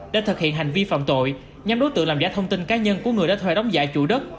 để thực hiện hành vi phạm tội nhóm đối tượng làm giả thông tin cá nhân của người đã thuê đóng giả chủ đất